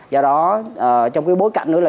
do đó trong cái bối cảnh nữa là